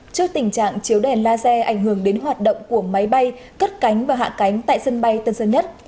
trước tình trạng chiếu đèn laser ảnh hưởng đến hoạt động của máy bay cất cánh và hạ cánh tại sân bay tân sơn nhất